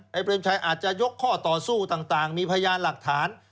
เปรมชัยอาจจะยกข้อต่อสู้ต่างมีพยานหลักฐาน